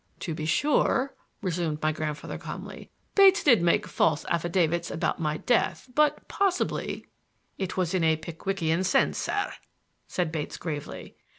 "To be sure," resumed my grandfather calmly; "Bates did make false affidavits about my death; but possibly—" "It was in a Pickwickian sense, sir," said Bates gravely.